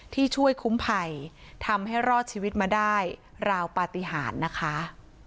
ที่ช่วยคุ้มภัยทำให้รอดชีวิตมาได้ราวปฏิหารนะคะ